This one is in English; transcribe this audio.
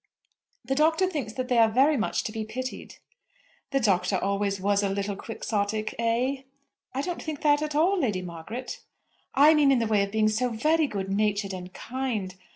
"The Doctor thinks that they are very much to be pitied." "The Doctor always was a little Quixotic eh?" "I don't think that at all, Lady Margaret." "I mean in the way of being so very good natured and kind.